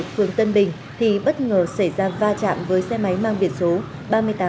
phường tân bình thì bất ngờ xảy ra va chạm với xe máy mang biển số ba mươi tám d một trăm linh hai nghìn chín trăm sáu mươi một